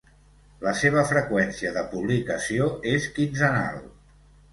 La seva freqüència de publicació és quinzenal.